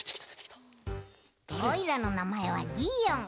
おいらのなまえはギーオン。